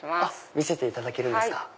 見せていただけるんですか。